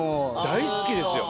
大好きですよ